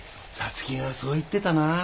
皐月がそう言ってたなあ。